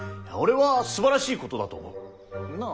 俺はすばらしいことだと思う。